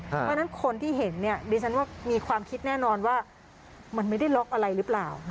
เพราะฉะนั้นคนที่เห็นเนี่ยดิฉันว่ามีความคิดแน่นอนว่ามันไม่ได้ล็อกอะไรหรือเปล่า